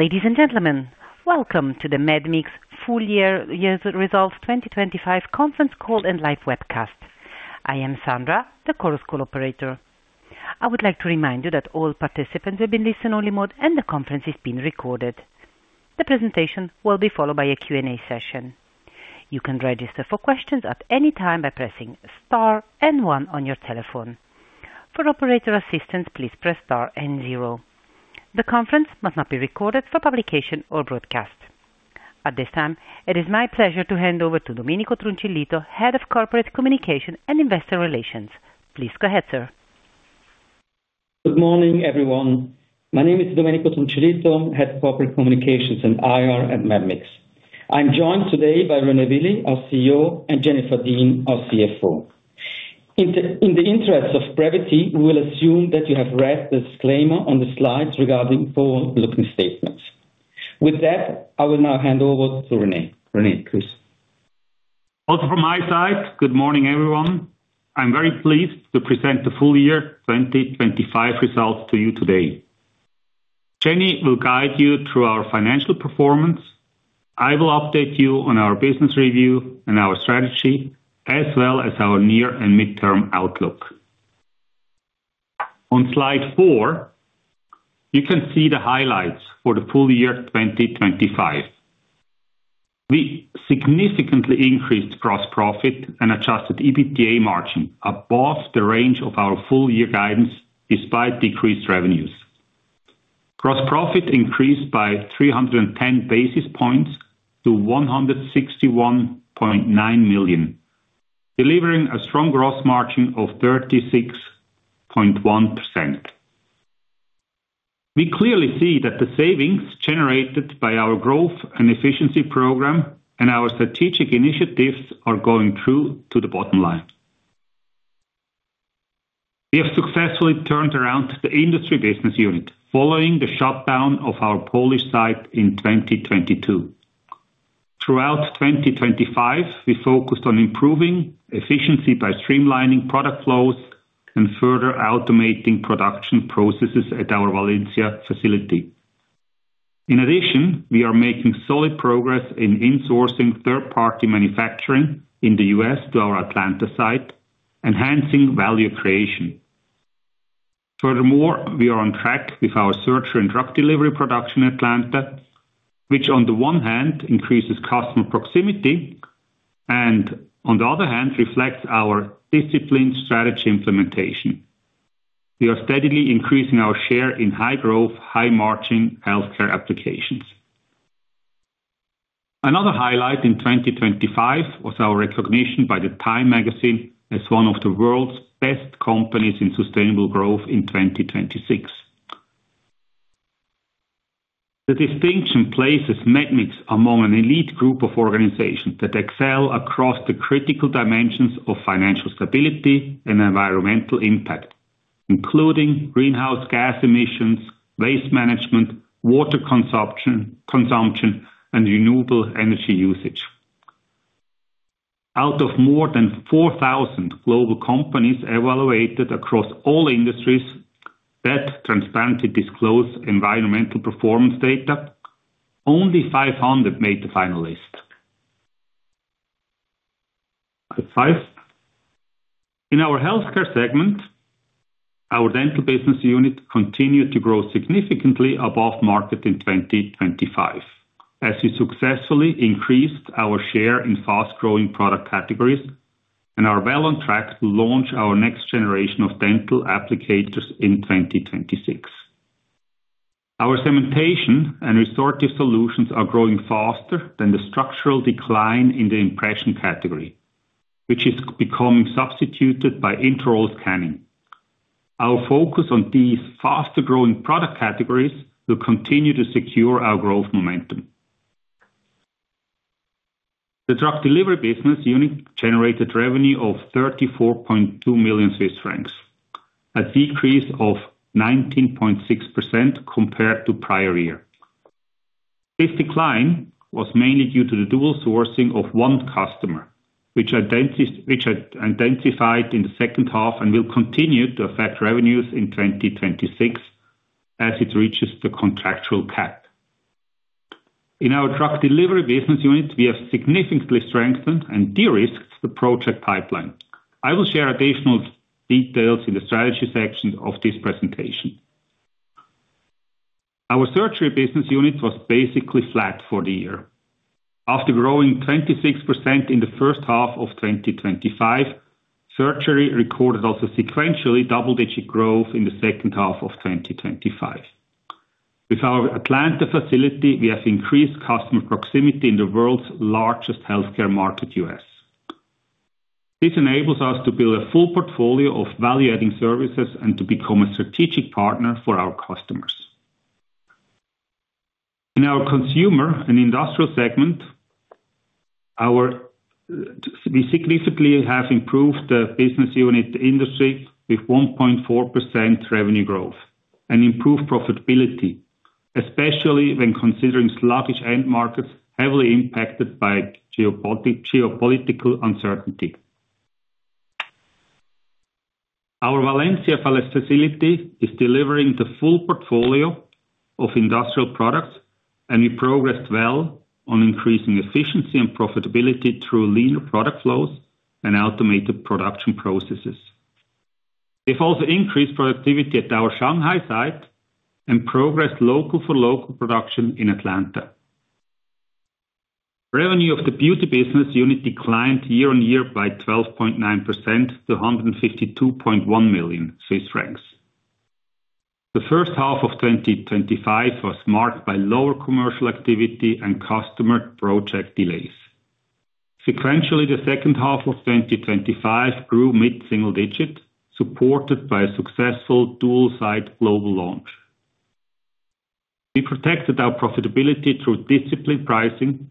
Ladies and gentlemen, welcome to the medmix full year results 2025 conference call and live webcast. I am Sandra, the Chorus Call operator. I would like to remind you that all participants have been listed in read-only mode and the conference is being recorded. The presentation will be followed by a Q&A session. You can register for questions at any time by pressing star and one on your telephone. For operator assistance, please press star and zero. The conference must not be recorded for publication or broadcast. At this time, it is my pleasure to hand over to Domenico Truncellito, Head of Corporate Communications and Investor Relations. Please go ahead, sir. Good morning, everyone. My name is Domenico Truncellito, Head of Corporate Communications and IR at medmix. I'm joined today by René Willi, our CEO, and Jennifer Dean, our CFO. In the interest of brevity, we will assume that you have read the disclaimer on the slides regarding forward-looking statements. With that, I will now hand over to René. René, please. From my side, good morning, everyone. I'm very pleased to present the full year 2025 results to you today. Jenni will guide you through our financial performance. I will update you on our business review and our strategy, as well as our near and midterm outlook. On Slide 4, you can see the highlights for the full year 2025. We significantly increased gross profit and adjusted EBITDA margin above the range of our full year guidance, despite decreased revenues. Gross profit increased by 310 basis points to 161.9 million, delivering a strong gross margin of 36.1%. We clearly see that the savings generated by our Growth and Efficiency program and our strategic initiatives are going through to the bottom line. We have successfully turned around the industry business unit, following the shutdown of our Polish site in 2022. Throughout 2025, we focused on improving efficiency by streamlining product flows and further automating production processes at our Valencia facility. In addition, we are making solid progress in insourcing third-party manufacturing in the U.S. to our Atlanta site, enhancing value creation. Furthermore, we are on track with our surgery and drug delivery production in Atlanta, which on the one hand, increases customer proximity, and on the other hand, reflects our disciplined strategy implementation. We are steadily increasing our share in high growth, high margin healthcare applications. Another highlight in 2025 was our recognition by the TIME Magazine as one of the world's best companies in sustainable growth in 2026. The distinction places medmix among an elite group of organizations that excel across the critical dimensions of financial stability and environmental impact, including greenhouse gas emissions, waste management, water consumption, and renewable energy usage. Out of more than 4,000 global companies evaluated across all industries that transparently disclose environmental performance data, only 500 made the finalist. Slide 5. In our healthcare segment, our dental business unit continued to grow significantly above market in 2025, as we successfully increased our share in fast-growing product categories and are well on track to launch our next generation of dental applicators in 2026. Our cementation and restorative solutions are growing faster than the structural decline in the impression category, which is becoming substituted by intraoral scanning. Our focus on these faster-growing product categories will continue to secure our growth momentum. The drug delivery business unit generated revenue of 34.2 million Swiss francs, a decrease of 19.6% compared to prior year. This decline was mainly due to the dual sourcing of one customer, which identified in the second half and will continue to affect revenues in 2026 as it reaches the contractual cap. In our drug delivery business unit, we have significantly strengthened and de-risked the project pipeline. I will share additional details in the strategy section of this presentation. Our surgery business unit was basically flat for the year. After growing 26% in the first half of 2025, surgery recorded also sequentially double-digit growth in the second half of 2025. With our Atlanta facility, we have increased customer proximity in the world's largest healthcare market, U.S. This enables us to build a full portfolio of value-adding services and to become a strategic partner for our customers. In our consumer and industrial segment, we significantly have improved the business unit industry with 1.4% revenue growth and improved profitability, especially when considering sluggish end markets heavily impacted by geopolitical uncertainty. Our Valencia facility is delivering the full portfolio of industrial products. We progressed well on increasing efficiency and profitability through leaner product flows and automated production processes. We've also increased productivity at our Shanghai site and progressed local for local production in Atlanta. Revenue of the beauty business unit declined year-over-year by 12.9% to 152.1 million Swiss francs. The first half of 2025 was marked by lower commercial activity and customer project delays. Sequentially, the second half of 2025 grew mid-single digit, supported by a successful dual-site global launch. We protected our profitability through disciplined pricing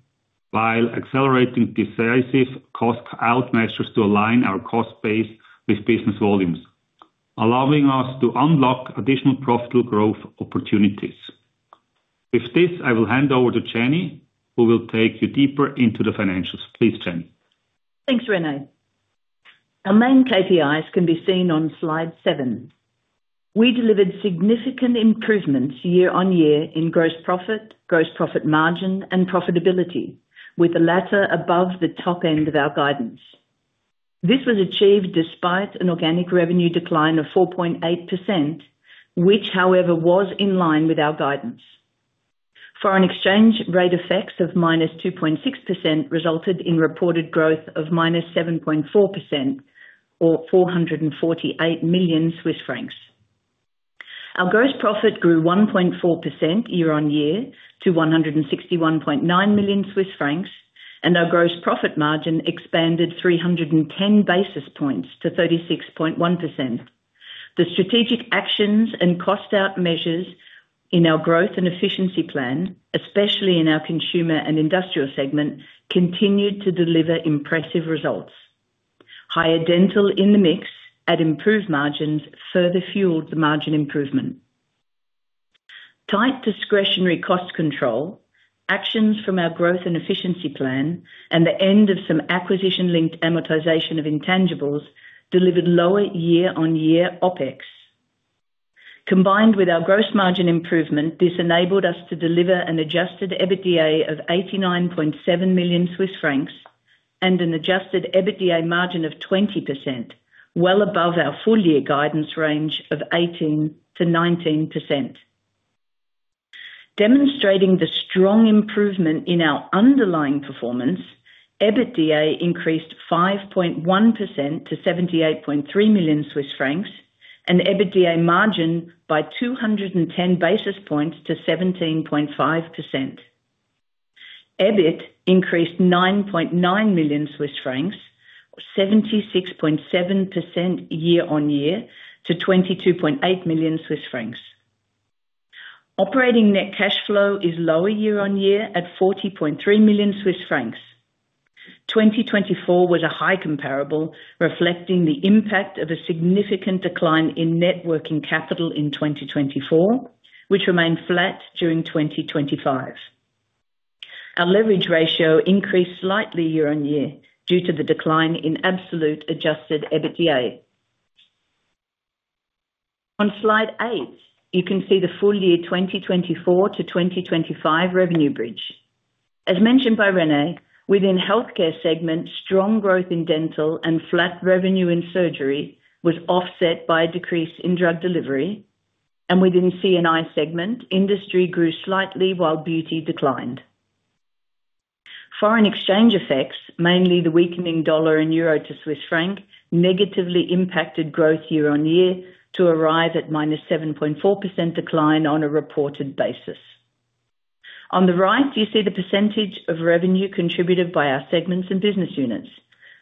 while accelerating decisive cost-out measures to align our cost base with business volumes, allowing us to unlock additional profitable growth opportunities. With this, I will hand over to Jenni, who will take you deeper into the financials. Please, Jenni. Thanks, René. Our main KPIs can be seen on Slide 7. We delivered significant improvements year-on-year in gross profit, gross profit margin, and profitability, with the latter above the top end of our guidance. This was achieved despite an organic revenue decline of 4.8%, which, however, was in line with our guidance. Foreign exchange rate effects of -2.6% resulted in reported growth of -7.4%, or 448 million Swiss francs. Our gross profit grew 1.4% year-on-year to 161.9 million Swiss francs, and our gross profit margin expanded 310 basis points to 36.1%. The strategic actions and cost out measures in our Growth and Efficiency program, especially in our consumer and industrial segment, continued to deliver impressive results. Higher dental in the mix at improved margins further fueled the margin improvement. Tight discretionary cost control, actions from our Growth and Efficiency plan, and the end of some acquisition-linked amortization of intangibles delivered lower year-on-year OpEx. Combined with our gross margin improvement, this enabled us to deliver an adjusted EBITDA of 89.7 million Swiss francs and an adjusted EBITDA margin of 20%, well above our full year guidance range of 18%-19%. Demonstrating the strong improvement in our underlying performance, EBITDA increased 5.1% to 78.3 million Swiss francs and EBITDA margin by 210 basis points to 17.5%. EBIT increased 9.9 million Swiss francs or 76.7% year-on-year to 22.8 million Swiss francs. Operating net cash flow is lower year on year at 40.3 million Swiss francs. 2024 was a high comparable, reflecting the impact of a significant decline in net working capital in 2024, which remained flat during 2025. Our leverage ratio increased slightly year-on-year due to the decline in absolute adjusted EBITDA. On Slide 8, you can see the full year 2024-2025 revenue bridge. As mentioned by René, within healthcare segment, strong growth in dental and flat revenue in surgery was offset by a decrease in drug delivery, and within C&I segment, industry grew slightly while beauty declined. Foreign exchange effects, mainly the weakening dollar and euro to Swiss franc, negatively impacted growth year-on-year to arrive at -7.4% decline on a reported basis. On the right, you see the percentage of revenue contributed by our segments and business units.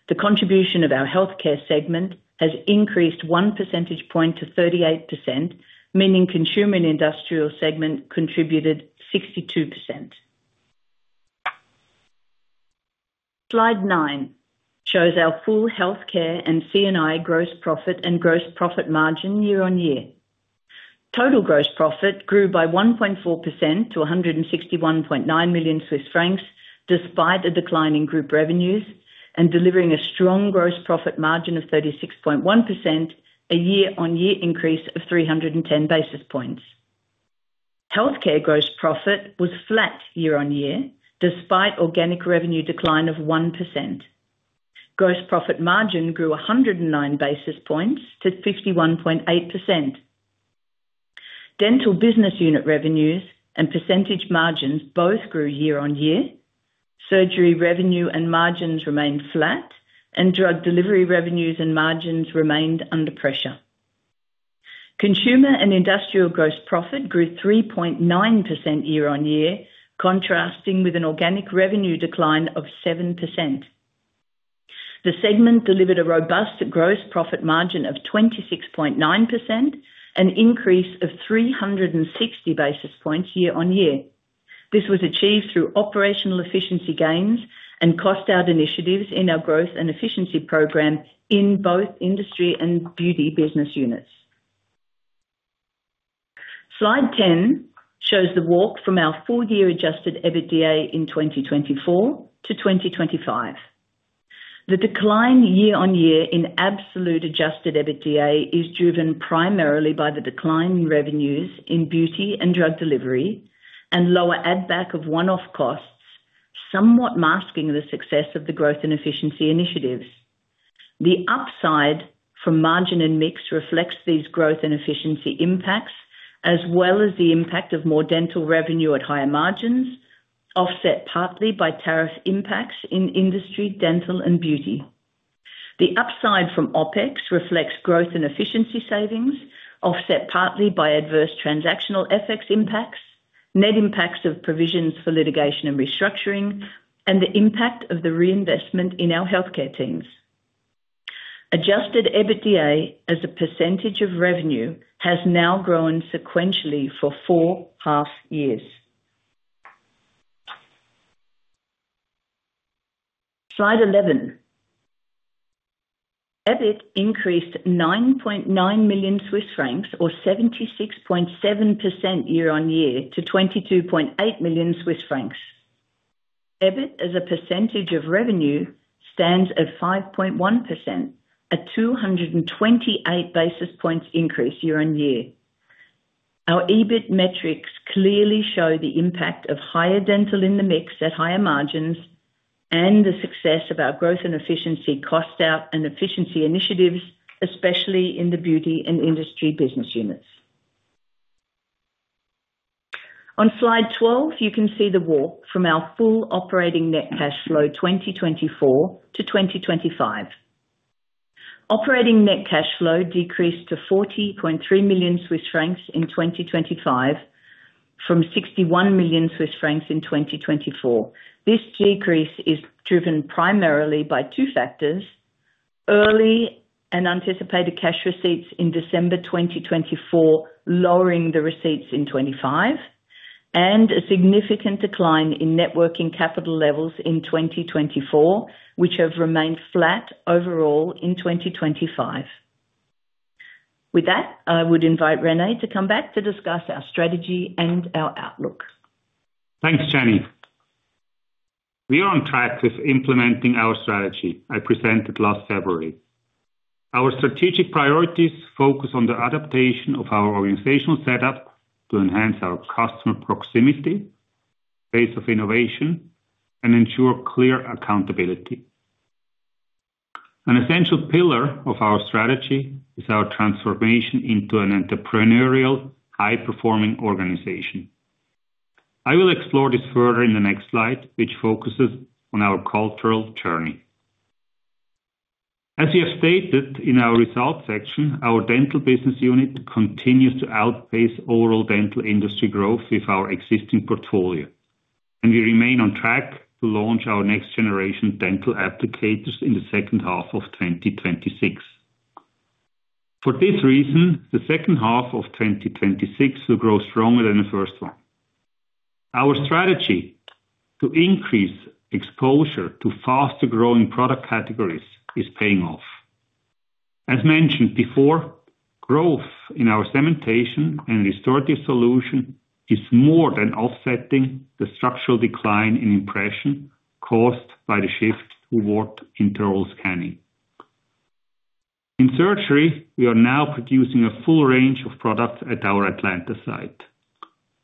The contribution of our healthcare segment has increased 1 percentage point to 38%, meaning consumer and industrial segment contributed 62%. Slide 9 shows our full healthcare and C&I gross profit and gross profit margin year-on-year. Total gross profit grew by 1.4% to 161.9 million Swiss francs, despite a decline in group revenues and delivering a strong gross profit margin of 36.1%, a year-on-year increase of 310 basis points. Healthcare gross profit was flat year-on-year, despite organic revenue decline of 1%. Gross profit margin grew 109 basis points to 51.8%. Dental Business Unit revenues and percentage margins both grew year-on-year. Surgery revenue and margins remained flat, and drug delivery revenues and margins remained under pressure. Consumer and industrial gross profit grew 3.9% year-on-year, contrasting with an organic revenue decline of 7%. The segment delivered a robust gross profit margin of 26.9%, an increase of 360 basis points year-on-year. This was achieved through operational efficiency gains and cost out initiatives in our Growth and Efficiency program in both industry and beauty business units. Slide 10 shows the walk from our full year adjusted EBITDA in 2024 to 2025. The decline year-on-year in absolute adjusted EBITDA is driven primarily by the decline in revenues in beauty and drug delivery, and lower add back of one-off costs, somewhat masking the success of the Growth and Efficiency initiatives. The upside from margin and mix reflects these Growth and Efficiency impacts, as well as the impact of more dental revenue at higher margins, offset partly by tariff impacts in industry, dental, and beauty. The upside from OpEx reflects Growth and Efficiency savings, offset partly by adverse transactional effects impacts, net impacts of provisions for litigation and restructuring, and the impact of the reinvestment in our healthcare teams. Adjusted EBITDA as a percentage of revenue has now grown sequentially for four half years. Slide 11. EBIT increased 9.9 million Swiss francs, or 76.7% year-on-year to 22.8 million Swiss francs. EBIT as a percentage of revenue stands at 5.1%, a 228 basis points increase year-on-year. Our EBIT metrics clearly show the impact of higher dental in the mix at higher margins, and the success of our growth and efficiency cost out and efficiency initiatives, especially in the Beauty and industry business units. On Slide 12, you can see the walk from our full operating net cash flow, 2024 to 2025. Operating net cash flow decreased to 40.3 million Swiss francs in 2025, from 61 million Swiss francs in 2024. This decrease is driven primarily by two factors: early and anticipated cash receipts in December 2024, lowering the receipts in 2025, and a significant decline in net working capital levels in 2024, which have remained flat overall in 2025. With that, I would invite René to come back to discuss our strategy and our outlook. Thanks, Jenni. We are on track with implementing our strategy I presented last February. Our strategic priorities focus on the adaptation of our organizational setup to enhance our customer proximity, pace of innovation, and ensure clear accountability. An essential pillar of our strategy is our transformation into an entrepreneurial, high-performing organization. I will explore this further in the next slide, which focuses on our cultural journey. As we have stated in our results section, our dental business unit continues to outpace oral dental industry growth with our existing portfolio, and we remain on track to launch our next generation dental applicators in the second half of 2026. For this reason, the second half of 2026 will grow stronger than the first one. Our strategy to increase exposure to faster growing product categories is paying off. As mentioned before, growth in our cementation and restorative solution is more than offsetting the structural decline in impression caused by the shift toward intraoral scanning. In surgery, we are now producing a full range of products at our Atlanta site.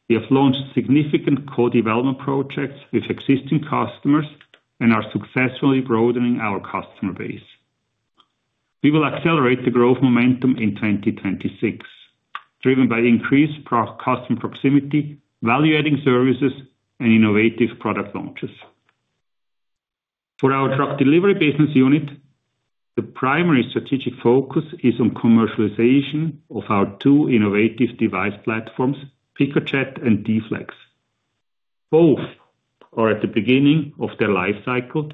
We have launched significant co-development projects with existing customers and are successfully broadening our customer base. We will accelerate the growth momentum in 2026, driven by increased customer proximity, value-adding services, and innovative product launches. For our drug delivery business unit, the primary strategic focus is on commercialization of our two innovative device platforms, PiccoJect and D-Flex. Both are at the beginning of their life cycle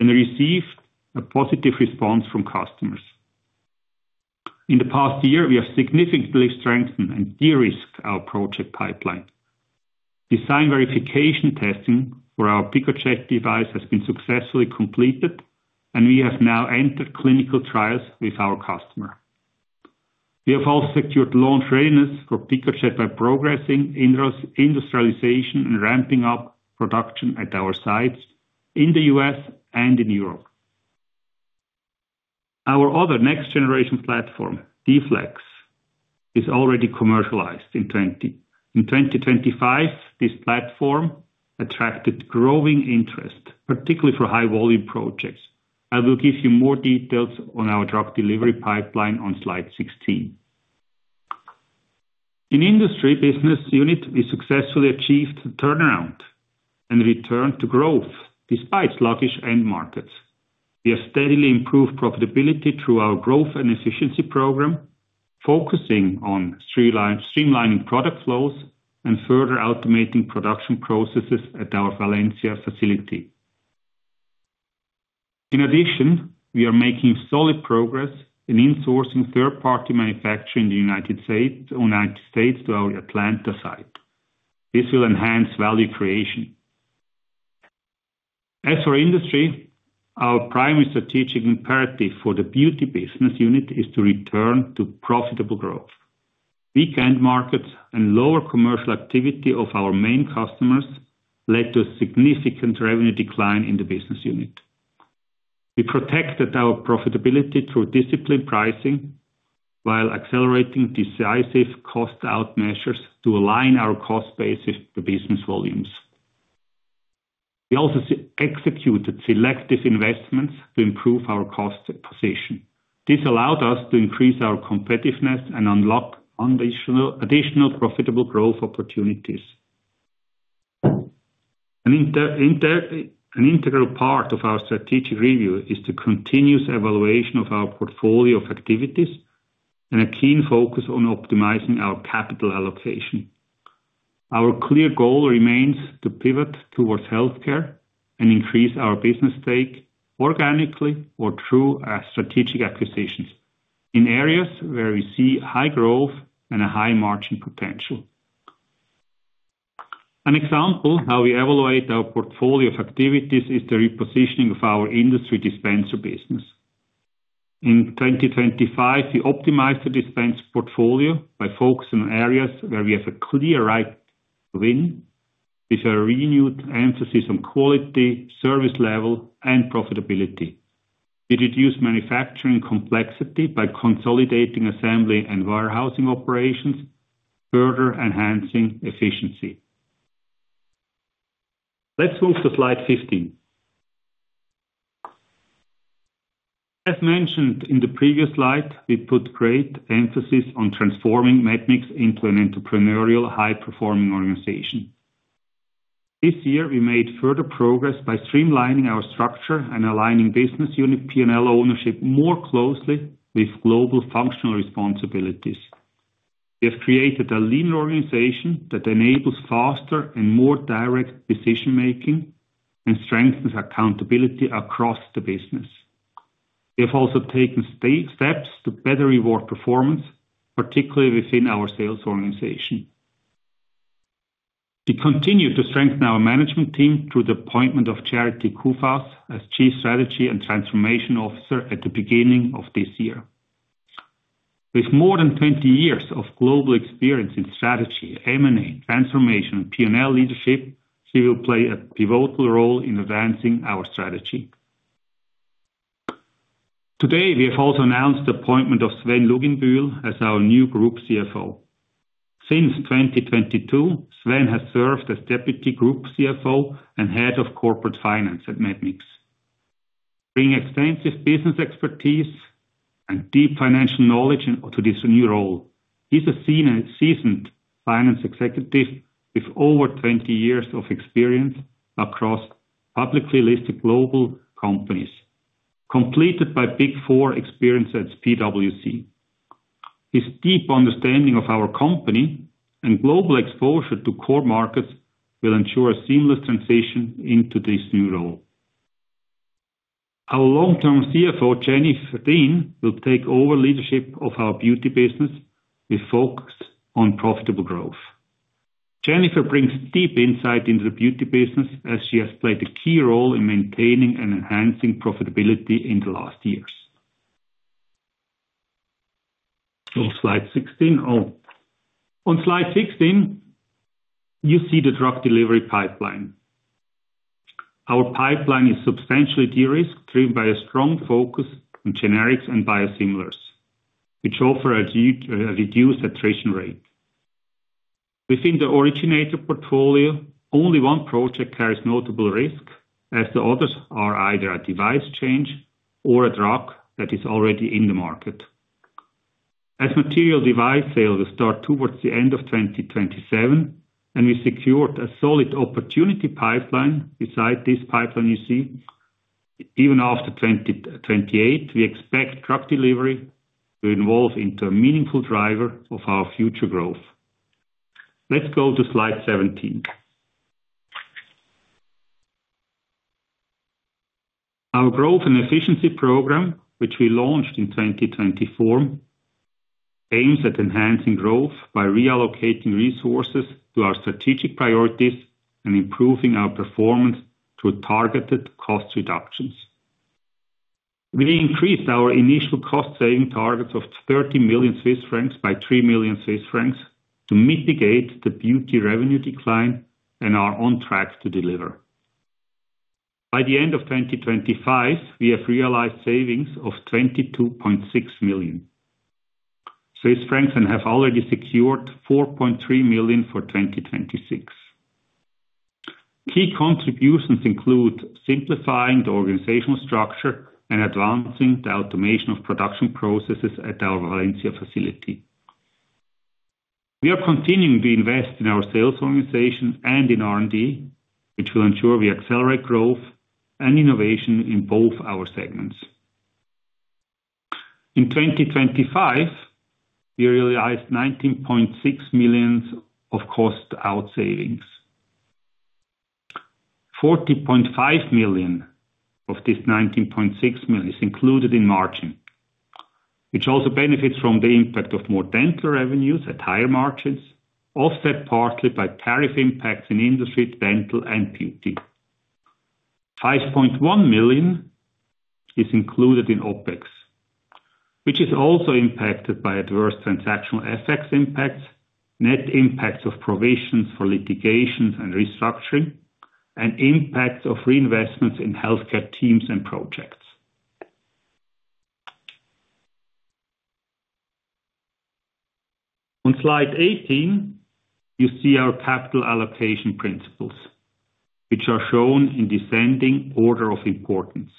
and received a positive response from customers. In the past year, we have significantly strengthened and de-risked our project pipeline. Design verification testing for our PiccoJect device has been successfully completed, and we have now entered clinical trials with our customer. We have also secured long trainers for PiccoJect by progressing industrialization and ramping up production at our sites in the U.S. and in Europe. Our other next generation platform, D-Flex, is already commercialized in 20. In 2025, this platform attracted growing interest, particularly for high volume projects. I will give you more details on our drug delivery pipeline on Slide 16. In Industry Business Unit, we successfully achieved turnaround and return to growth, despite sluggish end markets. We have steadily improved profitability through our Growth and Efficiency program, focusing on streamlining product flows and further automating production processes at our Valencia facility. In addition, we are making solid progress in insourcing third-party manufacturing in the United States to our Atlanta site. This will enhance value creation. As for Industry, our primary strategic imperative for the Beauty Business Unit is to return to profitable growth. Weak end markets and lower commercial activity of our main customers led to a significant revenue decline in the business unit. We protected our profitability through disciplined pricing, while accelerating decisive cost-out measures to align our cost basis to business volumes. We also executed selective investments to improve our cost position. This allowed us to increase our competitiveness and unlock additional profitable growth opportunities. An integral part of our strategic review is the continuous evaluation of our portfolio of activities and a keen focus on optimizing our capital allocation. Our clear goal remains to pivot towards healthcare and increase our business stake organically or through strategic acquisitions in areas where we see high growth and a high margin potential. An example how we evaluate our portfolio of activities is the repositioning of our industry dispenser business. In 2025, we optimized the dispense portfolio by focusing on areas where we have a clear right win, with a renewed emphasis on quality, service level, and profitability. We reduced manufacturing complexity by consolidating assembly and warehousing operations, further enhancing efficiency. Let's move to Slide 15. As mentioned in the previous slide, we put great emphasis on transforming medmix into an entrepreneurial, high-performing organization. This year, we made further progress by streamlining our structure and aligning business unit P&L ownership more closely with global functional responsibilities. We have created a lean organization that enables faster and more direct decision-making, and strengthens accountability across the business. We have also taken steps to better reward performance, particularly within our sales organization. We continue to strengthen our management team through the appointment of Charity Kufaas as Chief Strategy and Transformation Officer at the beginning of this year. With more than 20 years of global experience in strategy, M&A, transformation, and P&L leadership, she will play a pivotal role in advancing our strategy. Today, we have also announced the appointment of Sven Luginbühl as our new Group CFO. Since 2022, Sven has served as Deputy Group CFO and Head of Corporate Finance at medmix. Bring extensive business expertise and deep financial knowledge into this new role. He's a seasoned finance executive with over 20 years of experience across publicly listed global companies, completed by Big Four experience at PwC. His deep understanding of our company and global exposure to core markets will ensure a seamless transition into this new role. Our long-term CFO, Jennifer Dean, will take over leadership of the beauty business with focus on profitable growth. Jennifer brings deep insight into the beauty business, as she has played a key role in maintaining and enhancing profitability in the last years. On Slide 16. On slide 16, you see the drug delivery pipeline. Our pipeline is substantially de-risked, driven by a strong focus on generics and biosimilars, which offer a reduced attrition rate. Within the originator portfolio, only one project carries notable risk, as the others are either a device change or a drug that is already in the market. As material device sales will start towards the end of 2027, and we secured a solid opportunity pipeline, beside this pipeline you see, even after 2028, we expect drug delivery to evolve into a meaningful driver of our future growth. Let's go to Slide 17. Our Growth and Efficiency program, which we launched in 2024, aims at enhancing growth by reallocating resources to our strategic priorities and improving our performance through targeted cost reductions. We increased our initial cost-saving targets of 30 million Swiss francs by 3 million Swiss francs to mitigate the beauty revenue decline and are on track to deliver. By the end of 2025, we have realized savings of 22.6 million Swiss francs and have already secured 4.3 million for 2026. Key contributions include simplifying the organizational structure and advancing the automation of production processes at our Valencia facility. We are continuing to invest in our sales organization and in R&D, which will ensure we accelerate growth and innovation in both our segments. In 2025, we realized 19.6 million of cost out savings. 40.5 million of this 19.6 million is included in margin. which also benefits from the impact of more dental revenues at higher margins, offset partly by tariff impacts in industry, dental, and PT. 5.1 million is included in OpEx, which is also impacted by adverse transactional effects impacts, net impacts of provisions for litigations and restructuring, and impacts of reinvestments in healthcare teams and projects. On Slide 18, you see our capital allocation principles, which are shown in descending order of importance.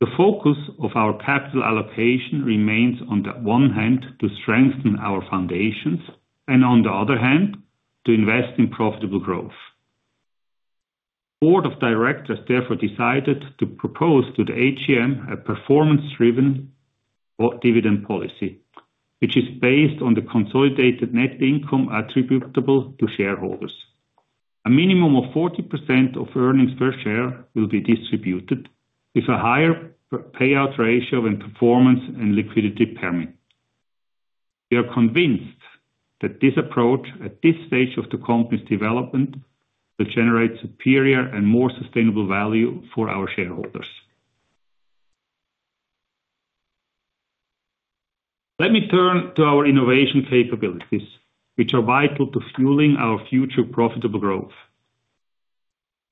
The focus of our capital allocation remains, on the one hand to strengthen our foundations and on the other hand, to invest in profitable growth. Board of Directors therefore decided to propose to the AGM a performance-driven dividend policy, which is based on the consolidated net income attributable to shareholders. A minimum of 40% of earnings per share will be distributed, with a higher payout ratio when performance and liquidity permit. We are convinced that this approach, at this stage of the company's development, will generate superior and more sustainable value for our shareholders. Let me turn to our innovation capabilities, which are vital to fueling our future profitable growth.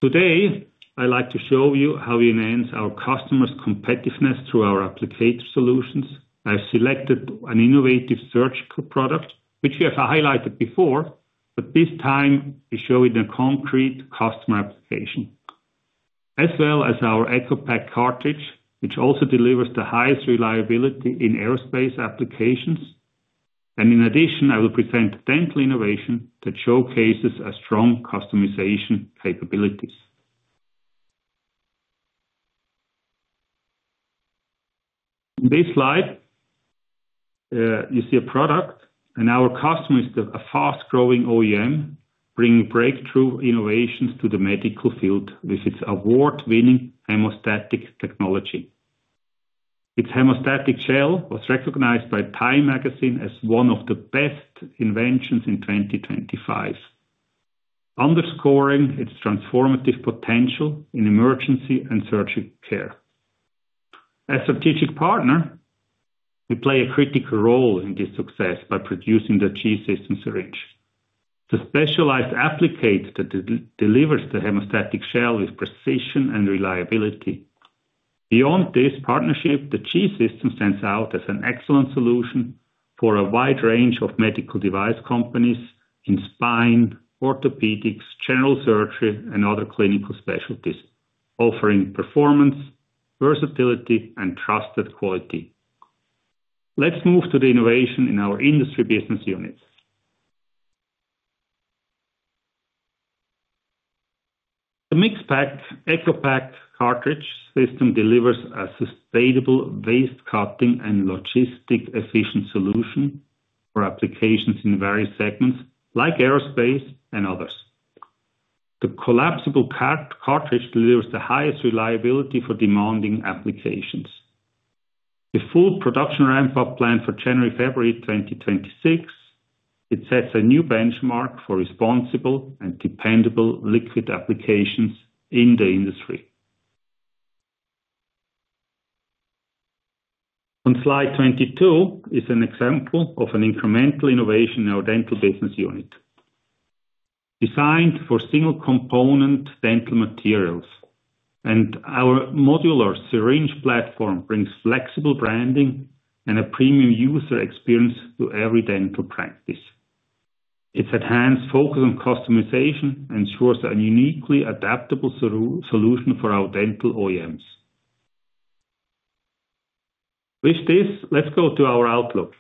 Today, I'd like to show you how we enhance our customers' competitiveness through our applicator solutions. I selected an innovative surgical product, which we have highlighted before, but this time we show it in a concrete customer application. As well as our ecopaCC cartridge, which also delivers the highest reliability in aerospace applications. In addition, I will present dental innovation that showcases a strong customization capabilities. In this slide, you see a product, and our customer is a fast-growing OEM, bringing breakthrough innovations to the medical field with its award-winning hemostatic technology. Its hemostatic gel was recognized by Time Magazine as one of the best inventions in 2025, underscoring its transformative potential in emergency and surgical care. As a strategic partner, we play a critical role in this success by producing the G-System syringe. The specialized applicator that delivers the hemostatic gel with precision and reliability. Beyond this partnership, the G-System stands out as an excellent solution for a wide range of medical device companies in spine, orthopedics, general surgery, and other clinical specialties, offering performance, versatility, and trusted quality. Let's move to the innovation in our industry business units. The MIXPAC ecopaCC cartridge system delivers a sustainable, waste-cutting, and logistic efficient solution for applications in various segments, like aerospace and others. The collapsible cartridge delivers the highest reliability for demanding applications. The full production ramp-up plan for January, February 2026, it sets a new benchmark for responsible and dependable liquid applications in the industry. On Slide 22 is an example of an incremental innovation in our dental business unit. Designed for single-component dental materials, and our modular syringe platform brings flexible branding and a premium user experience to every dental practice. Its enhanced focus on customization ensures a uniquely adaptable solution for our dental OEMs. With this, let's go to our outlook.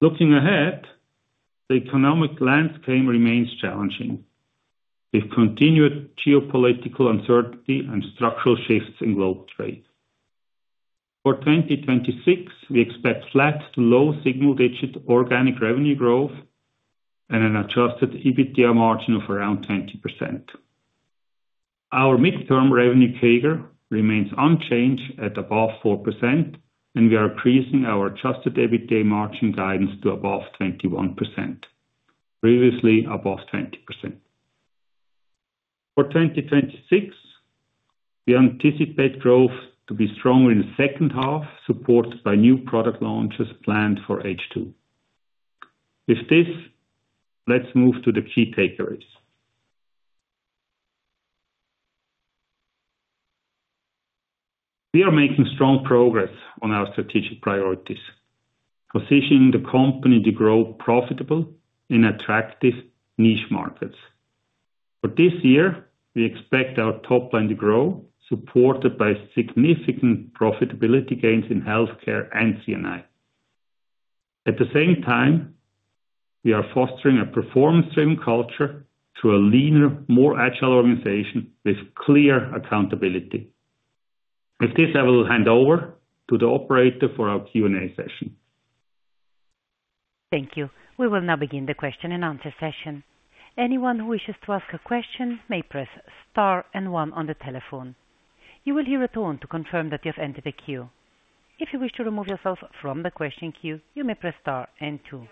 Looking ahead, the economic landscape remains challenging, with continued geopolitical uncertainty and structural shifts in global trade. For 2026, we expect flat to low single-digit organic revenue growth and an adjusted EBITDA margin of around 20%. Our midterm revenue CAGR remains unchanged at above 4%, and we are increasing our adjusted EBITDA margin guidance to above 21%, previously above 20%. For 2026, we anticipate growth to be stronger in H2, supported by new product launches planned for H2. With this, let's move to the key takeaways. We are making strong progress on our strategic priorities, positioning the company to grow profitable in attractive niche markets. For this year, we expect our top line to grow, supported by significant profitability gains in healthcare and CNI. At the same time, we are fostering a performance-driven culture through a leaner, more agile organization with clear accountability. I will hand over to the operator for our Q&A session. Thank you. We will now begin the question and answer session. Anyone who wishes to ask a question may press star and one on the telephone. You will hear a tone to confirm that you have entered the queue. If you wish to remove yourself from the question queue, you may press star and two.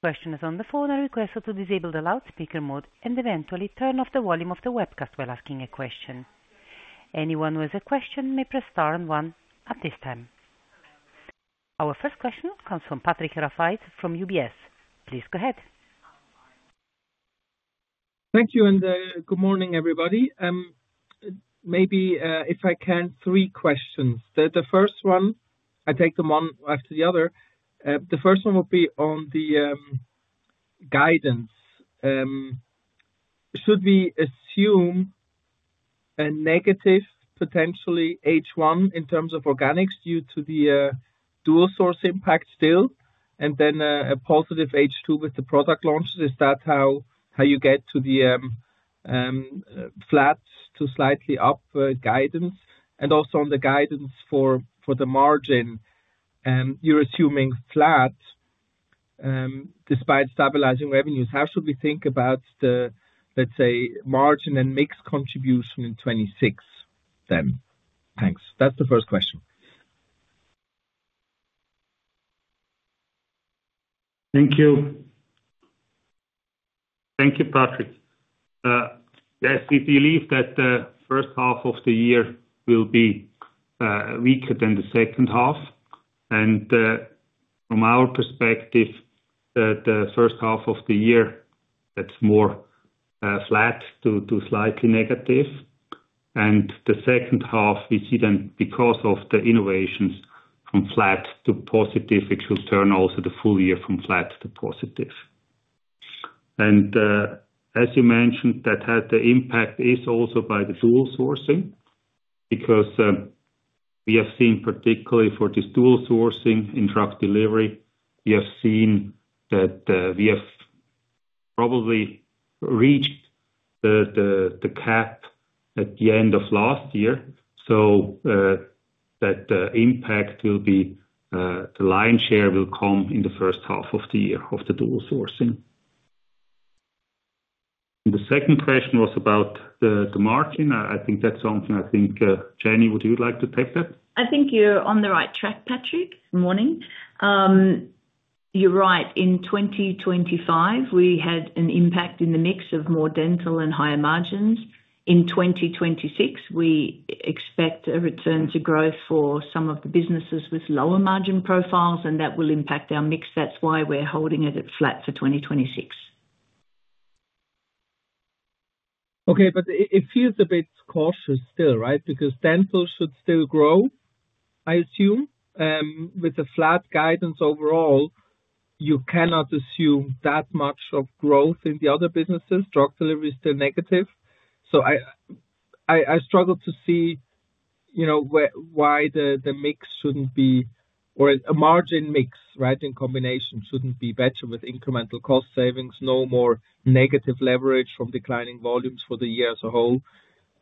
Questioners on the phone are requested to disable the loudspeaker mode and eventually turn off the volume of the webcast while asking a question. Anyone who has a question may press star and one at this time. Our first question comes from Patrick Rafaisz from UBS. Please go ahead. Thank you, and good morning, everybody. Maybe, if I can, three questions. The first one, I take them one after the other. The first one will be on the guidance. Should we assume a negative, potentially H1, in terms of organics, due to the dual source impact still, and then a positive H2 with the product launch? Is that how you get to the flat to slightly up guidance? Also on the guidance for the margin, you're assuming flat despite stabilizing revenues. How should we think about the, let's say, margin and mixed contribution in 2026 then? Thanks. That's the first question. Thank you. Thank you, Patrick. Yes, we believe that the first half of the year will be weaker than the second half. From our perspective, the first half of the year, that's more flat to slightly negative. The second half, we see then, because of the innovations from flat to positive, it should turn also the full year from flat to positive. As you mentioned, that had the impact is also by the dual sourcing, because we have seen, particularly for this dual sourcing in drug delivery, we have seen that we have probably reached the cap at the end of last year. That impact will be the lion share will come in the first half of the year, of the dual sourcing. The second question was about the margin. I think that's something I think, Jenni, would you like to take that? I think you're on the right track, Patrick. Morning. You're right. In 2025, we had an impact in the mix of more dental and higher margins. In 2026, we expect a return to growth for some of the businesses with lower margin profiles, and that will impact our mix. That's why we're holding it at flat for 2026. Okay, it feels a bit cautious still, right? Dental should still grow, I assume. With a flat guidance overall, you cannot assume that much of growth in the other businesses. Drug delivery is still negative. I struggle to see, you know, why the mix shouldn't be, or a margin mix, right, in combination, shouldn't be better with incremental cost savings, no more negative leverage from declining volumes for the year as a whole.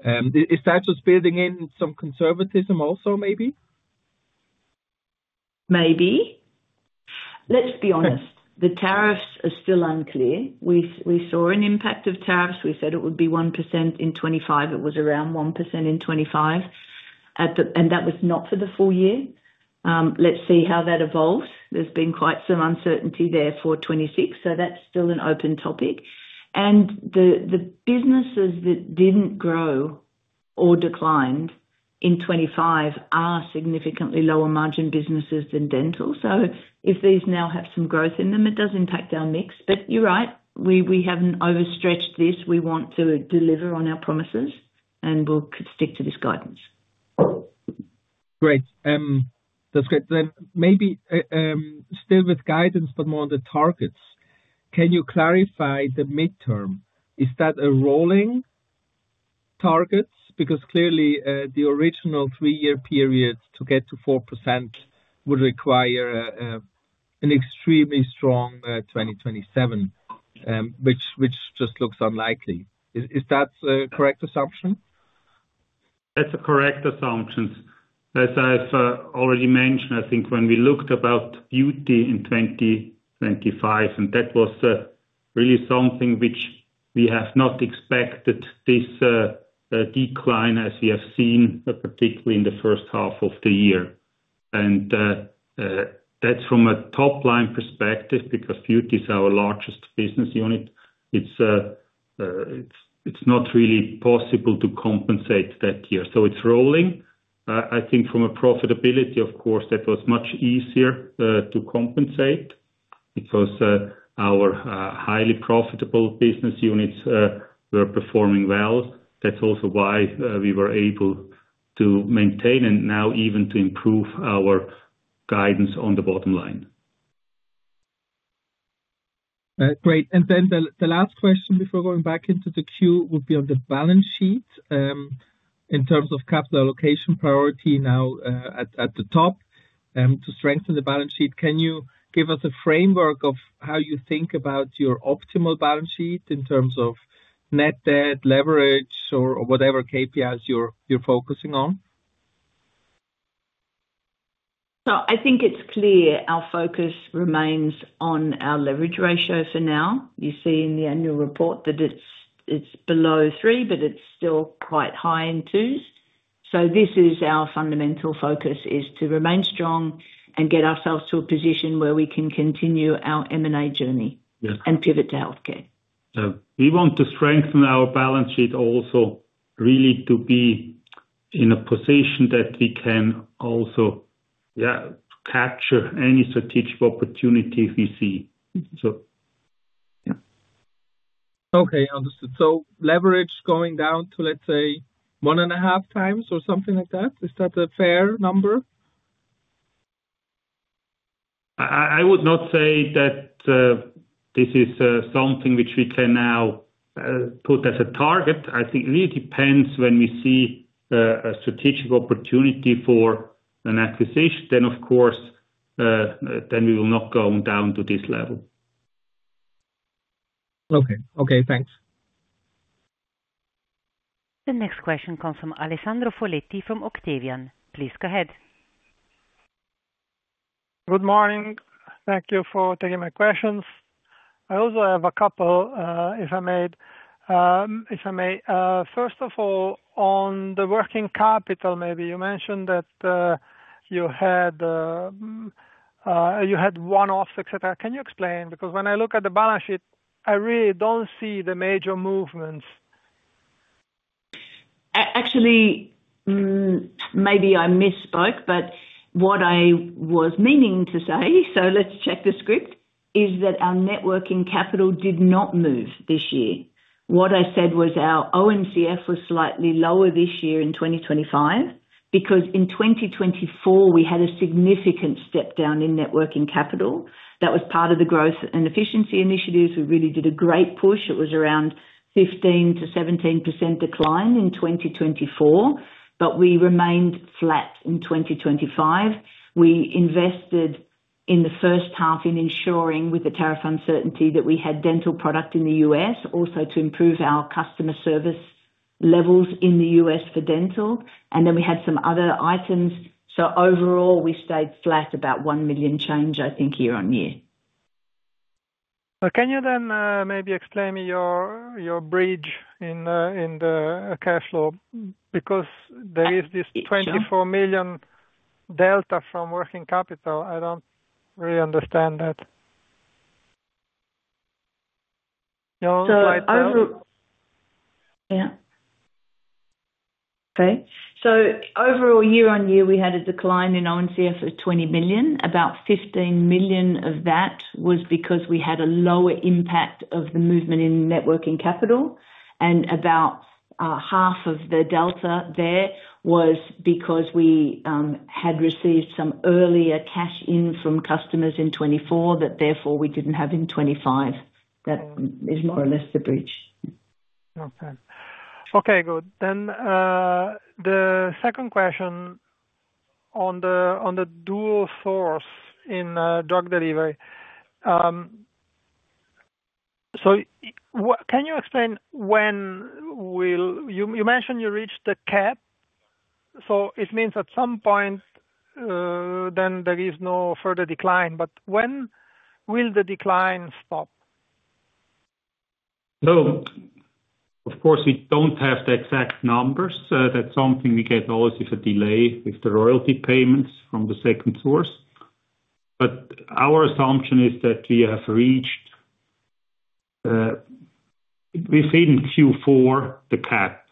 Is that just building in some conservatism also, maybe? Maybe. Let's be honest, the tariffs are still unclear. We saw an impact of tariffs. We said it would be 1% in 2025. It was around 1% in 2025, and that was not for the full year. Let's see how that evolves. There's been quite some uncertainty there for 2026, that's still an open topic. The businesses that didn't grow or declined in 2025 are significantly lower margin businesses than dental. If these now have some growth in them, it does impact our mix. You're right, we haven't overstretched this. We want to deliver on our promises, and we'll stick to this guidance. Great. That's great. Then maybe still with guidance, but more on the targets. Can you clarify the midterm? Is that a rolling target? Because clearly, the original three-year period to get to 4% would require an extremely strong 2027, which just looks unlikely. Is that a correct assumption? That's a correct assumption. As I've already mentioned, I think when we looked about Beauty in 2025, that was really something which we have not expected, this decline, as we have seen, particularly in the first half of the year. That's from a top-line perspective, because Beauty is our largest business unit. It's, it's not really possible to compensate that year. It's rolling. I think from a profitability, of course, that was much easier to compensate because our highly profitable business units were performing well. That's also why we were able to maintain and now even to improve our guidance on the bottom line. Great. The last question before going back into the queue, would be on the balance sheet. In terms of capital allocation priority now, at the top, to strengthen the balance sheet, can you give us a framework of how you think about your optimal balance sheet in terms of net debt, leverage or whatever KPIs you're focusing on? I think it's clear our focus remains on our leverage ratio for now. You see in the annual report that it's below three, but it's still quite high in twos. This is our fundamental focus, is to remain strong and get ourselves to a position where we can continue our M&A journey. Yes. And pivot to healthcare. We want to strengthen our balance sheet also, really, to be in a position that we can also capture any strategic opportunity we see. Okay, understood. Leverage going down to, let's say, 1.5x or something like that? Is that a fair number? I would not say that this is something which we can now put as a target. I think it really depends when we see a strategic opportunity for an acquisition, then, of course, then we will not go down to this level. Okay. Okay, thanks. The next question comes from Alessandro Foletti from Octavian. Please go ahead. Good morning. Thank you for taking my questions. I also have a couple, if I may. First of all, on the working capital, maybe you mentioned that you had one-off, et cetera. Can you explain? Because when I look at the balance sheet, I really don't see the major movements. Actually, maybe I misspoke, what I was meaning to say, let's check the script, is that our net working capital did not move this year. What I said was our ONCF was slightly lower this year in 2025, because in 2024, we had a significant step down in net working capital. That was part of the Growth and Efficiency initiatives. We really did a great push. It was around 15%-17% decline in 2024, we remained flat in 2025. We invested in the first half in ensuring, with the tariff uncertainty, that we had dental product in the U.S., also to improve our customer service levels in the U.S. for dental, we had some other items. Overall, we stayed flat, about 1 million change, I think, year-over-year. Can you then, maybe explain me your bridge in the cash flow? Because there is this 24 million delta from working capital, I don't really understand that. Yeah. Okay. Overall, year on year, we had a decline in ONCF of 20 million. About 15 million of that was because we had a lower impact of the movement in net working capital, and about half of the delta there was because we had received some earlier cash in from customers in 2024, that therefore we didn't have in 2025. That is more or less the bridge. Okay. Okay, good. The second question on the dual source in drug delivery. Can you explain? You mentioned you reached the cap, so it means at some point, then there is no further decline. When will the decline stop? Of course, we don't have the exact numbers. That's something we get always with a delay with the royalty payments from the second source. Our assumption is that we have reached, we've seen in Q4 the cap.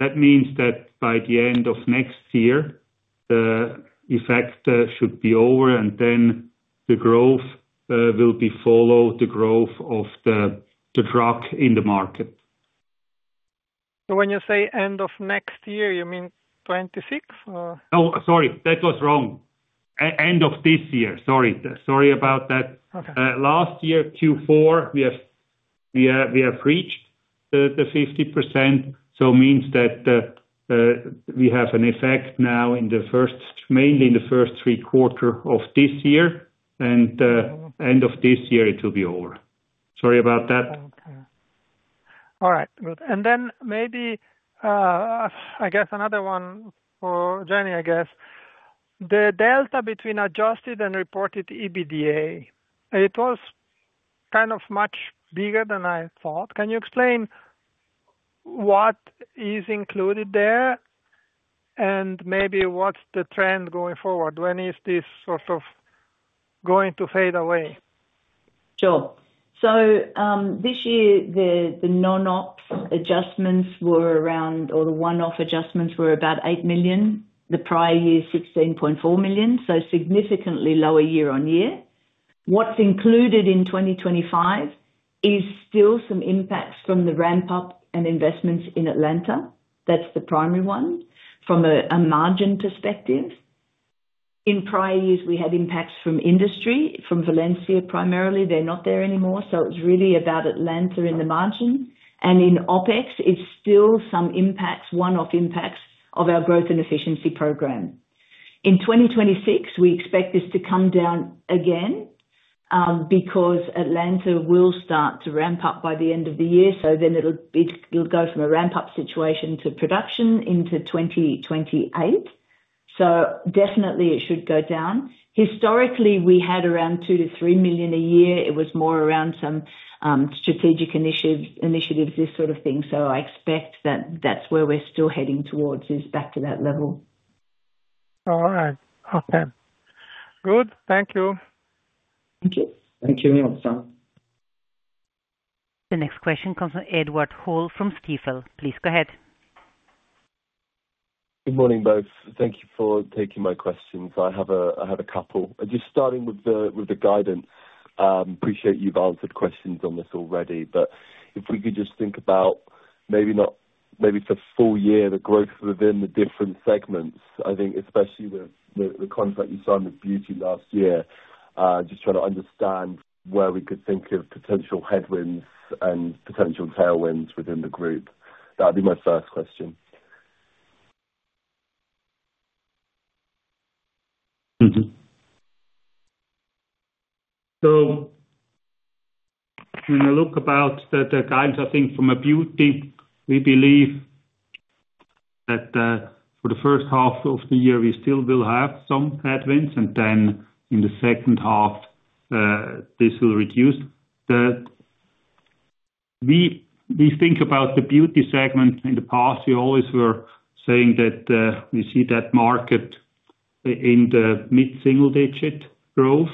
That means that by the end of next year, the effects should be over, and then the growth will be followed, the growth of the drug in the market. When you say end of next year, you mean 2026, or? Sorry, that was wrong. End of this year. Sorry about that. Okay. Last year, Q4, we have reached the 50%. Means that we have an effect now mainly in the first three quarters of this year. End of this year, it will be over. Sorry about that. Okay. All right, good. Then maybe, I guess another one for Jenni, I guess. The delta between adjusted and reported EBITDA, it was kind of much bigger than I thought. Can you explain what is included there, and maybe what's the trend going forward? When is this sort of going to fade away? Sure. This year, the non-ops adjustments were around, or the one-off adjustments were about 8 million, the prior year, 16.4 million, significantly lower year-over-year. What's included in 2025 is still some impacts from the ramp-up and investments in Atlanta. That's the primary one. From a margin perspective, in prior years, we had impacts from industry, from Valencia, primarily. They're not there anymore, it's really about Atlanta in the margin. In OpEx, it's still some impacts, one-off impacts of our Growth and Efficiency program. In 2026, we expect this to come down again. Because Atlanta will start to ramp up by the end of the year, then it'll go from a ramp-up situation to production into 2028. Definitely it should go down. Historically, we had around 2 million-3 million a year. It was more around some, strategic initiatives, this sort of thing. I expect that that's where we're still heading towards, is back to that level. All right. Okay. Good. Thank you. Thank you. Thank you also. The next question comes from Edward Hall from Stifel. Please go ahead. Good morning, both. Thank you for taking my questions. I have a couple. Just starting with the guidance, appreciate you've answered questions on this already, but if we could just think about maybe the full year, the growth within the different segments. I think especially with the contract you signed with Beauty last year, just trying to understand where we could think of potential headwinds and potential tailwinds within the group. That would be my first question. When I look about the guides, I think from a beauty, we believe that for the first half of the year, we still will have some headwinds, and then in the second half, this will reduce. We think about the beauty segment, in the past, we always were saying that we see that market in the mid-single digit growth.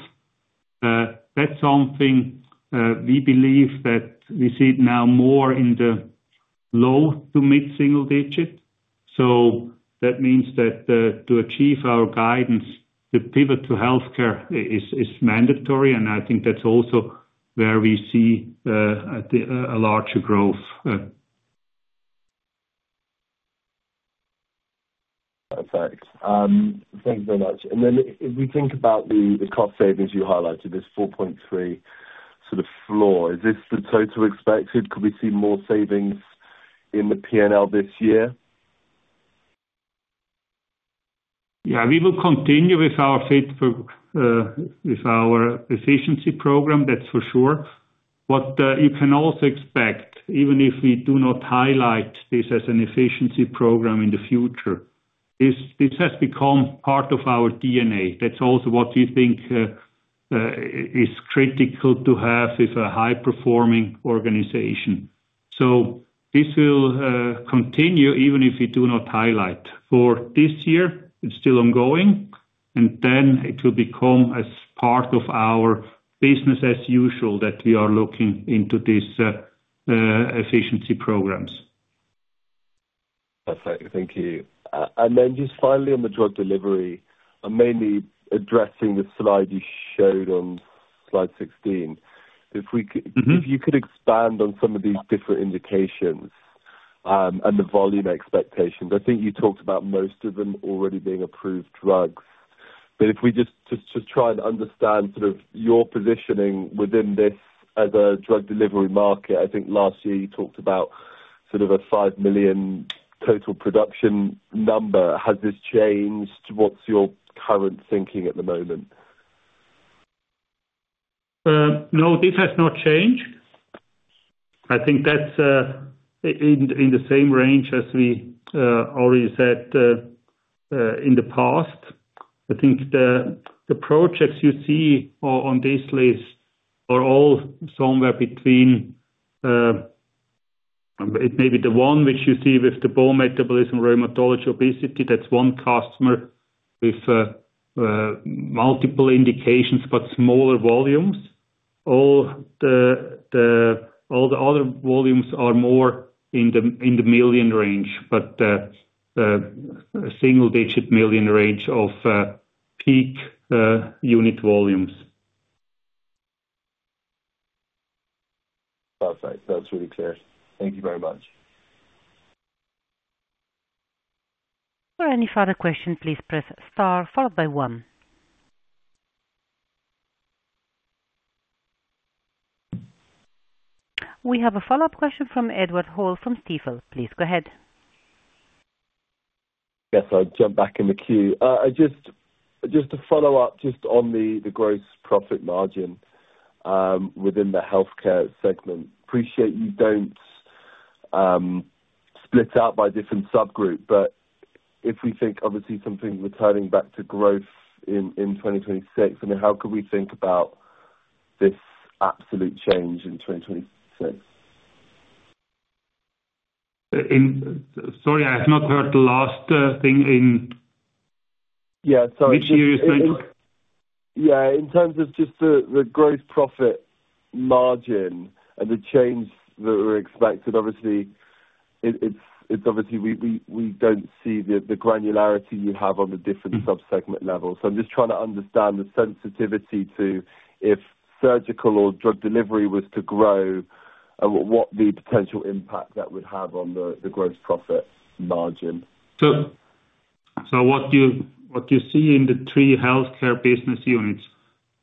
That's something we believe that we see it now more in the low to mid-single digit. That means that to achieve our guidance, the pivot to healthcare is mandatory, and I think that's also where we see a larger growth. Perfect. Thank you very much. If we think about the cost savings, you highlighted this 4.3 sort of floor, is this the total expected? Could we see more savings in the PNL this year? We will continue with our efficiency program, that's for sure. What you can also expect, even if we do not highlight this as an efficiency program in the future, is this has become part of our DNA. That's also what we think is critical to have with a high-performing organization. This will continue even if we do not highlight. For this year, it's still ongoing, and then it will become as part of our business as usual, that we are looking into this efficiency programs. Perfect. Thank you. Just finally on the drug delivery, I'm mainly addressing the slide you showed on Slide 16. Mm-hmm If you could expand on some of these different indications, and the volume expectations. I think you talked about most of them already being approved drugs. If we just to try and understand sort of your positioning within this as a drug delivery market, I think last year you talked about sort of a 5 million total production number. Has this changed? What's your current thinking at the moment? No, this has not changed. I think that's in the same range as we already said in the past. I think the projects you see on this list are all somewhere between... It may be the one which you see with the bone metabolism, rheumatology, obesity. That's one customer with multiple indications, but smaller volumes. All the other volumes are more in the million range, but single-digit million range of peak unit volumes. That's right. That's really clear. Thank you very much. For any further questions, please press star followed by one. We have a follow-up question from Edward Hall from Stifel. Please go ahead. I'll jump back in the queue. I just to follow up just on the gross profit margin within the healthcare segment. Appreciate you don't split out by different subgroups, but if we think obviously something returning back to growth in 2026, I mean, how could we think about this absolute change in 2026? Sorry, I have not heard the last thing. Yeah, sorry. Which year you think? Yeah, in terms of just the gross profit margin and the change that we're expected, obviously, we don't see the granularity you have on the different sub-segment level. I'm just trying to understand the sensitivity to, if surgical or drug delivery was to grow, what the potential impact that would have on the gross profit margin. What you see in the three healthcare business units,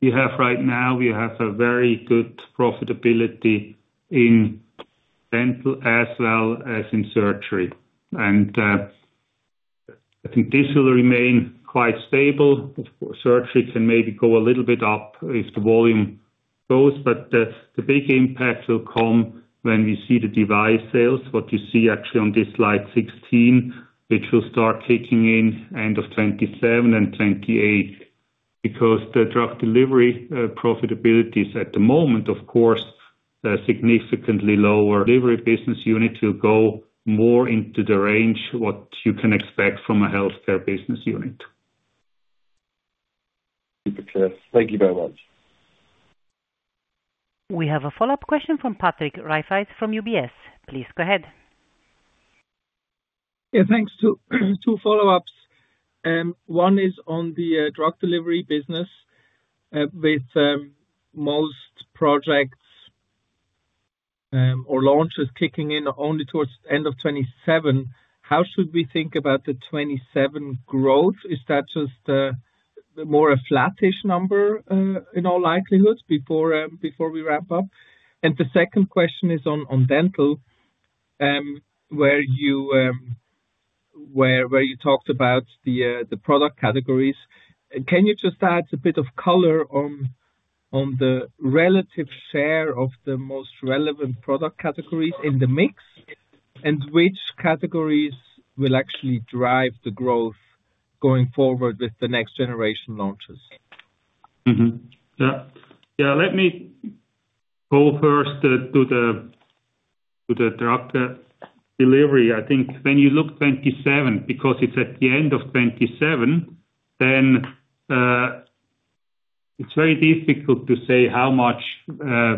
we have a very good profitability in dental as well as in surgery. I think this will remain quite stable. Of course, surgery can maybe go a little bit up if the volume goes, the big impact will come when we see the device sales, what you see actually on this Slide 16, which will start kicking in end of 2027 and 2028. The drug delivery profitabilities at the moment, of course, are significantly lower. Delivery business unit will go more into the range, what you can expect from a healthcare business unit. Super clear. Thank you very much. We have a follow-up question from Patrick Rafaisz from UBS. Please go ahead. Yeah, thanks. Two follow-ups. One is on the drug delivery business with most projects or launches kicking in only towards the end of 2027. How should we think about the 2027 growth? Is that just more a flattish number in all likelihoods before we wrap up? The second question is on dental where you talked about the product categories. Can you just add a bit of color on the relative share of the most relevant product categories in the mix, and which categories will actually drive the growth going forward with the next generation launches? Yeah. Yeah, let me go first to the drug delivery. I think when you look 2027, because it's at the end of 2027, it's very difficult to say how much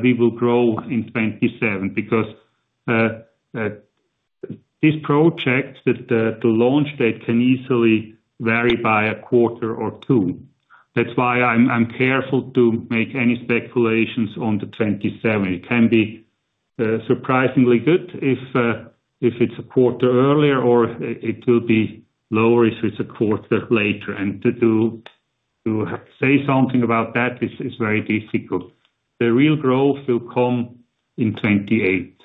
we will grow in 2027. These projects, the launch date can easily vary by a quarter or two. That's why I'm careful to make any speculations on the 2027. It can be surprisingly good if it's a quarter earlier, or it will be lower if it's a quarter later. To say something about that is very difficult. The real growth will come in 2028.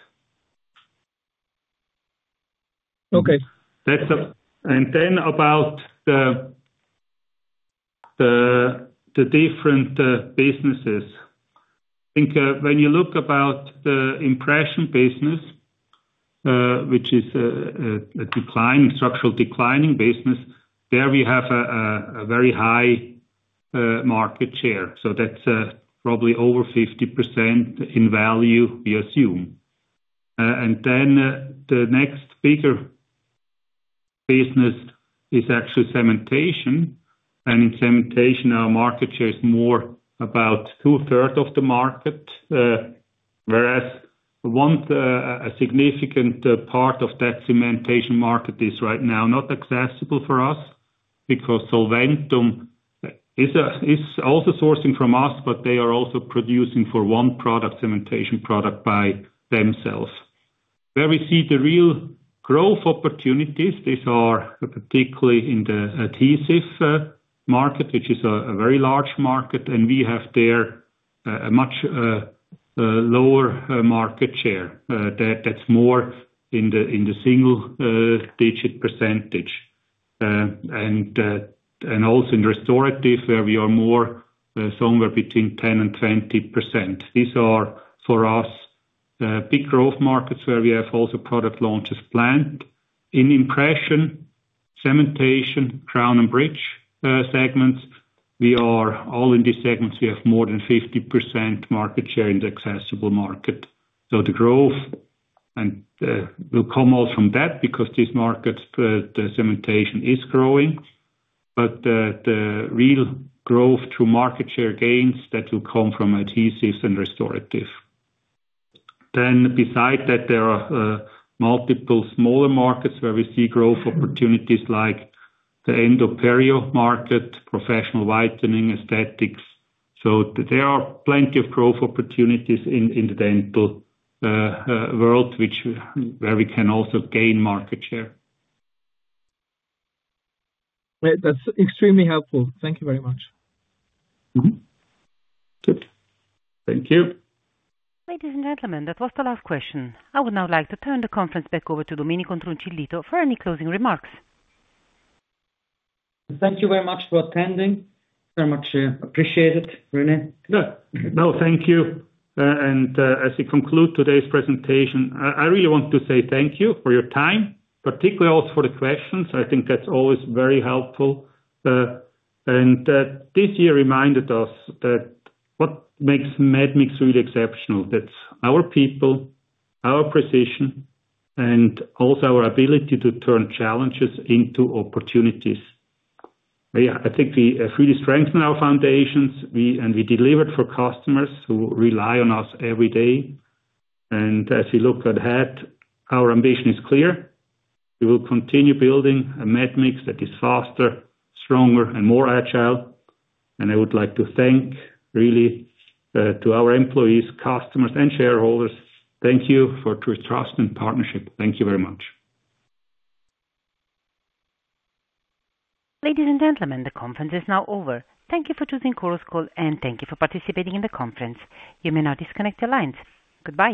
Okay. That's about the different businesses. I think, when you look about the impression business, which is a decline, structural declining business, there we have a very high market share. That's probably over 50% in value, we assume. The next bigger business is actually cementation. In cementation, our market share is more about two thirds of the market, whereas one, a significant part of that cementation market is right now not accessible for us, because Solventum is also sourcing from us, but they are also producing for one product, cementation product, by themselves. Where we see the real growth opportunities, these are particularly in the adhesive market, which is a very large market, we have there a much lower market share. That's more in the single-digit percentage. And also in restorative, where we are more somewhere between 10% and 20%. These are, for us, big growth markets where we have also product launches planned. In impression, cementation, crown and bridge segments, all in these segments, we have more than 50% market share in the accessible market. The growth will come all from that, because these markets, the cementation is growing. The real growth through market share gains, that will come from adhesives and restorative. Beside that, there are multiple smaller markets where we see growth opportunities, like the endo-perio market, professional whitening, aesthetics. There are plenty of growth opportunities in the dental world, which, where we can also gain market share. Right. That's extremely helpful. Thank you very much. Mm-hmm. Good. Thank you. Ladies and gentlemen, that was the last question. I would now like to turn the conference back over to Domenico Truncellito for any closing remarks. Thank you very much for attending. Very much, appreciate it, René. No, thank you. As we conclude today's presentation, I really want to say thank you for your time, particularly also for the questions. I think that's always very helpful. This year reminded us that what makes medmix really exceptional, that's our people, our precision, and also our ability to turn challenges into opportunities. I think we really strengthened our foundations, and we delivered for customers who rely on us every day. As we look ahead, our ambition is clear: we will continue building a medmix that is faster, stronger, and more agile. I would like to thank, really, to our employees, customers, and shareholders, thank you for your trust and partnership. Thank you very much. Ladies and gentlemen, the conference is now over. Thank you for choosing Chorus Call, and thank you for participating in the conference. You may now disconnect your lines. Goodbye.